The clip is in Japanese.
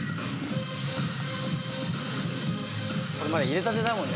これまだ入れたてだもんね